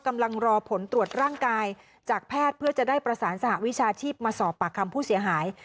กำลังรอผลตรวจร่างกายจากแพทย์เพื่อจะได้ประสานสหวิชาชีพมาสอบปากคำผู้เสียหาย